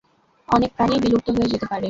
অনেক প্রাণীই বিলুপ্ত হয়ে যেতে পারে।